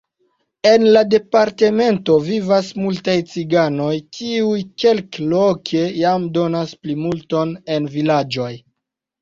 En la departemento vivas multaj ciganoj, kiuj kelkloke jam donas plimulton en vilaĝoj.